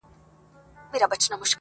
یار به ملا تړلی حوصلې د دل دل واغوندم,